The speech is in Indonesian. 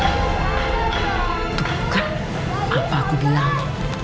itu bukan apa aku bilang